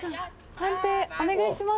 判定お願いします。